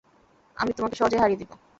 আমি তোমাকে সহজেই হারিয়ে দিবো।